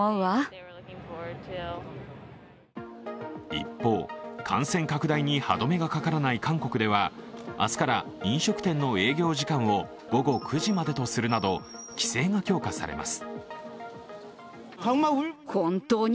一方、感染拡大に歯止めがかからない韓国では明日から飲食店の営業時間を午後９時までとするなど規制が強化されます。